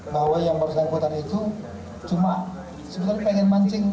bahwa yang baru berusia kekuatan itu cuma sebenarnya pengen mancing